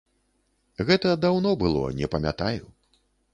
Гэта даўно было, не памятаю.